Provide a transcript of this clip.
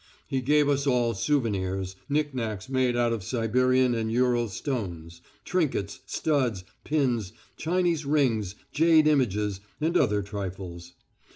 He gave us all souvenirs, knicknacks made out of Siberian and Ural stones, trinkets, studs, pins, Chinese rings, jade images, and other trifles.